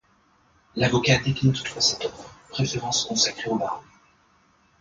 L'avocat décline toutefois cette offre, préférant se consacrer au barreau.